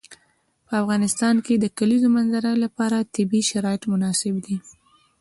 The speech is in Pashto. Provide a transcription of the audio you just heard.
په افغانستان کې د د کلیزو منظره لپاره طبیعي شرایط مناسب دي.